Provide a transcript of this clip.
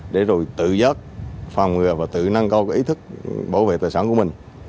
để rồi tự giấc phòng ngừa và tự nâng cao ý thức bảo vệ tài sản của mình